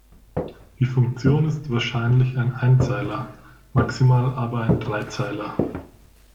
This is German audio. Die Funktion ist wahrscheinlich ein Einzeiler, maximal aber ein Dreizeiler.